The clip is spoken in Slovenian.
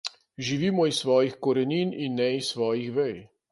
Živimo iz svojih korenin in ne iz svojih vej.